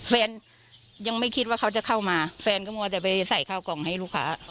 ยังไม่คิดว่าเขาจะเข้ามาแฟนก็มัวแต่ไปใส่ข้าวกล่องให้ลูกค้า